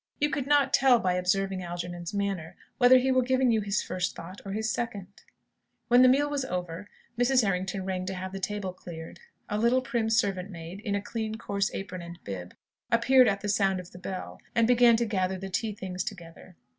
You could not tell, by observing Algernon's manner, whether he were giving you his first thought or his second. When the meal was over, Mrs. Errington rang to have the table cleared. A little prim servant maid, in a coarse, clean apron and bib, appeared at the sound of the bell, and began to gather the tea things together.